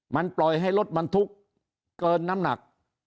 มันปล่อยให้รถบรรทุกเกินน้ำหนัก